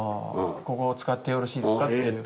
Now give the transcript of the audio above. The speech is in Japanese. ここを使ってよろしいですかっていう。